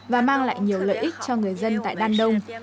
và mang lại nhiều lợi ích cho người dân tại đan đông